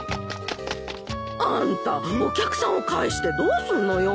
あんたお客さんを帰してどうすんのよ。